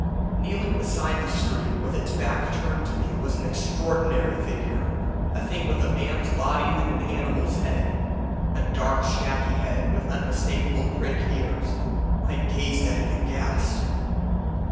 "Kneeling beside the stream with its back turned to me was an extraordinary figure a thing with a man's body and an animal's head a dark, shaggy head with unmistakable prick ears. I gazed at it aghast.